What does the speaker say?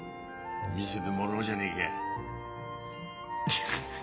見せてもらおうじゃねえかフフフフフ。